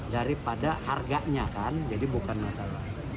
daripada harganya kan jadi bukan masalah